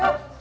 pak pak pak